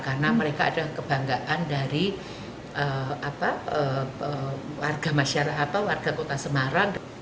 karena mereka ada kebanggaan dari warga masyarakat warga kota semarang